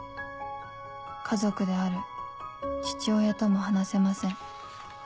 「家族である父親とも話せません」